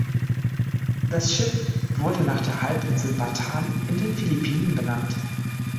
Das Schiff wurde nach der Halbinsel Bataan in den Philippinen benannt.